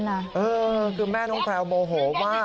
เลยคือแม่น้องแพลวโมโหหว่า